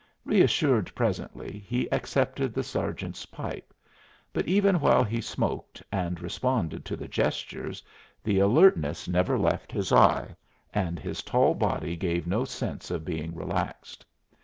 Reassured presently, he accepted the sergeant's pipe; but even while he smoked and responded to the gestures, the alertness never left his eye, and his tall body gave no sense of being relaxed.